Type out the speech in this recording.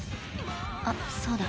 あっそうだ。